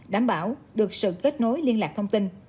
đảm bảo được sự kết nối liên lạc thông tin